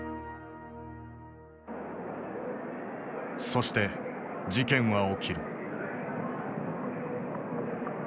そして事件は起きる。